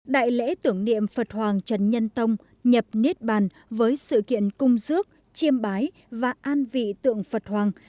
đại lễ tưởng niệm phật hoàng trần nhân tông nhập niết bàn với sự kiện cung dước chiêm bái và an vị tượng phật hoàng